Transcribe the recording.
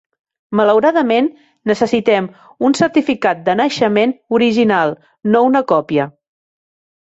Malauradament, necessitem un certificat de naixement original, no una còpia.